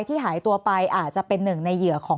แอนตาซินเยลโรคกระเพาะอาหารท้องอืดจุกเสียดแสบร้อน